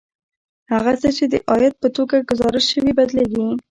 هغه څه چې د عاید په توګه ګزارش شوي بدلېږي